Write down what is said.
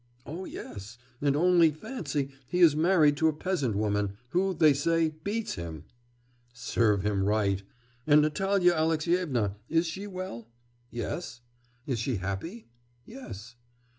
'Oh, yes; and only fancy, he is married to a peasant woman, who, they say, beats him.' 'Serve him right! And Natalya Alexyevna is she well?' 'Yes.' 'Is she happy?' 'Yes.